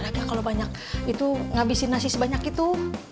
lagi kalo banyak itu ngabisin nasi sebanyak itu